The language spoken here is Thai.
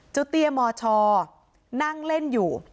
เจ้าเตี้ยมอชอนั่งเล่นอยู่